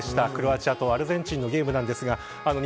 クロアチアとアルゼンチンのゲームでしたが。